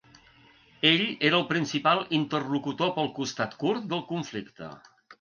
Ell era el principal interlocutor pel costat kurd del conflicte.